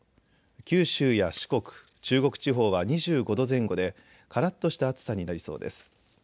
九州や四国、中国地方は２５度前後でからっとした暑さになりそうです。